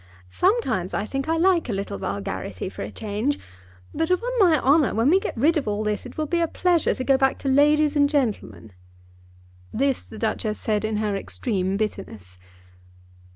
Sometimes, I think, I like a little vulgarity for a change; but, upon my honour, when we get rid of all this it will be a pleasure to go back to ladies and gentlemen." This the Duchess said in her extreme bitterness.